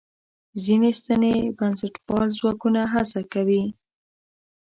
ځینې سنتي بنسټپال ځواکونه هڅه کوي.